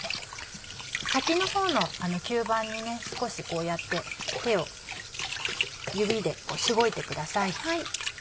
先のほうの吸盤に少しこうやって手を指でしごいてください。